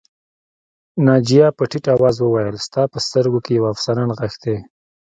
ناجیه په ټيټ آواز وویل ستا په سترګو کې یوه افسانه نغښتې